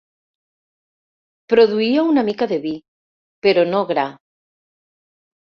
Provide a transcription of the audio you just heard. Produïa una mica de vi, però no gra.